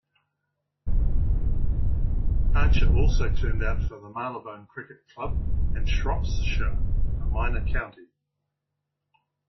Archer also turned out for the Marylebone Cricket Club and Shropshire, a minor county.